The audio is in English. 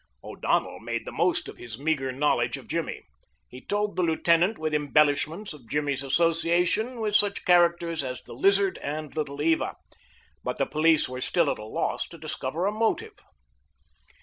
O'Donnell made the most of his meager knowledge of Jimmy. He told the lieutenant with embellishments of Jimmy's association with such characters as the Lizard and Little Eva; but the police were still at a loss to discover a motive.